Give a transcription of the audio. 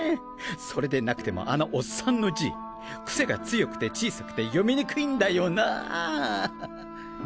それでなくてもあのオッサンの字クセが強くて小さくて読みにくいんだよなぁ。